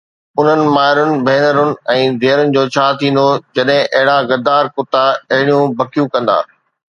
انهن مائرن، ڀينرن ۽ ڌيئرن جو ڇا ٿيندو جڏهن اهڙا غدار ڪتا اهڙيون بکيون ڪندا